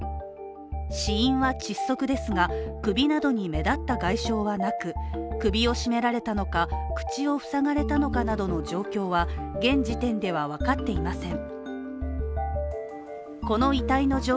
死因は窒息ですが、首などに目立った外傷はなく首を絞められたのか、口を塞がれたのかなどの状況は現時点では分かっていません。